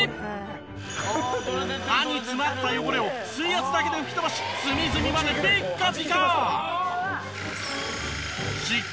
歯に詰まった汚れを水圧だけで吹き飛ばし隅々までピッカピカ！